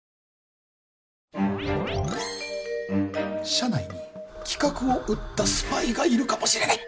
社内に企画を売ったスパイがいるかもしれない。